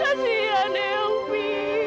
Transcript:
kasian eyang bi